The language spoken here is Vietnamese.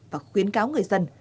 và khuyến cáo người dân